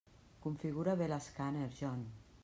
Configura bé l'escàner, John.